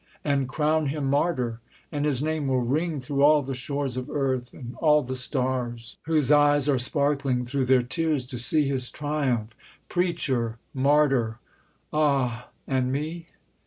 And crown him martyr; and his name will ring Through all the shores of earth, and all the stars Whose eyes are sparkling through their tears to see His triumph Preacher! Martyr! Ah and me?